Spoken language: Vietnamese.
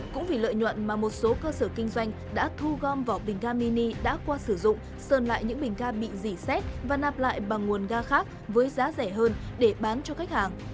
cũng vì lợi nhuận mà một số cơ sở kinh doanh đã thu gom vỏ bình ga mini đã qua sử dụng sơn lại những bình ga bị dì xét và nạp lại bằng nguồn ga khác với giá rẻ hơn để bán cho khách hàng